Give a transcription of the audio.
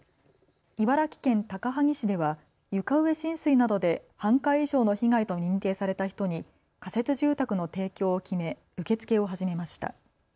茨城県高萩市では床上浸水などで半壊以上の被害と認定された人に仮設住宅の提供を決め受け付けを始めました。